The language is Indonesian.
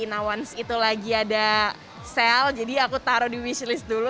nah once itu lagi ada sale jadi aku taruh di wishlist dulu